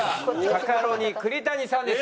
カカロニ栗谷さんです。